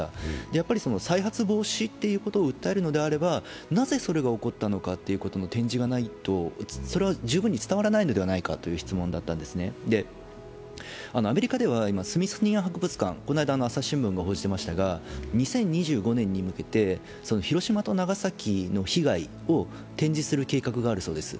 やっぱり再発防止ということを訴えるのであれば、なぜそれが起こったのかという展示がないと十分には伝わらないのではないかという質問だったんですね、アメリカでは今、スミソニアン博物館、この間、「朝日新聞」が報じていましたが、２０２５年に向けて広島と長崎の被害を展示する計画があるそうです。